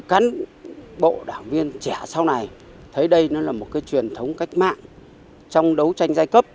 cán bộ đảng viên trẻ sau này thấy đây nó là một cái truyền thống cách mạng trong đấu tranh giai cấp